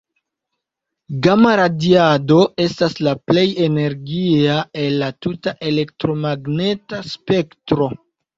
Gama-radiado estas la plej energia el la tuta elektromagneta spektro.